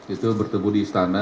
itu bertemu di istana